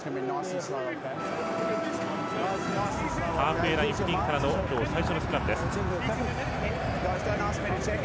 ハーフウェーライン付近からの今日最初のスクラムです。